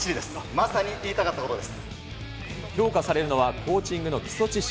まさに言いた評価されるのはコーチングの基礎知識。